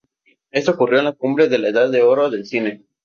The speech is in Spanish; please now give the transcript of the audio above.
Esto ocurrió en la cumbre de la edad de oro del cine.